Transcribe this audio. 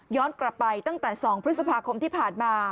กลับไปตั้งแต่๒พฤษภาคมที่ผ่านมา